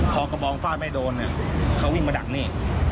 พอกระบองฟาดไม่โดนเนี่ยเขาวิ่งมาดักนี่